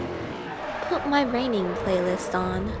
put my raining playlist on